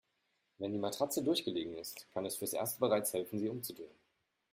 Wenn die Matratze durchgelegen ist, kann es fürs Erste bereits helfen, sie umzudrehen.